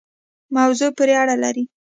موضوع پوری اړه لری